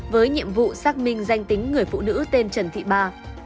với nhiệm vụ xác minh danh tính người phụ nữ tên trần thị ba